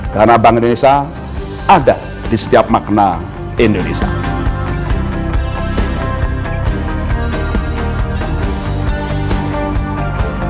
karena bank indonesia ada di setiap makna indonesia